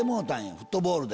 フットボールで。